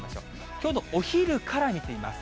きょうのお昼から見てみます。